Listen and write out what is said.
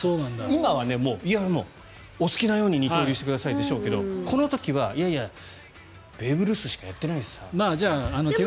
今はもうお好きなように二刀流してくださいでしょうけどこの時はいやいや、ベーブ・ルースしかやってないしさって。